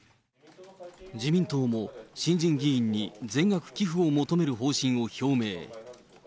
自民党も新人議員に全額寄付を求める方針を表明。